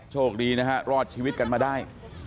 โชคดีนะฮะรอดชีวิตกันมาได้